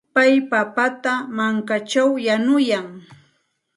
Pay papata mankaćhaw yanuyan.